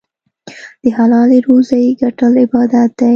د حلالې روزۍ ګټل عبادت دی.